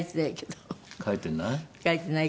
書いてない？